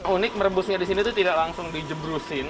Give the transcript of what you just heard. unik merebusnya disini tuh tidak langsung dijebrusin